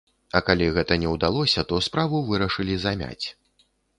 А калі гэта не ўдалося, то справу вырашылі замяць.